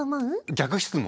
逆質問。